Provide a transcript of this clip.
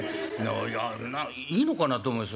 いやいいのかなと思います